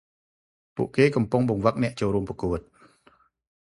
ពួកគេ កំពុងបង្វឹកអ្នកចូលរួមប្រគួត ។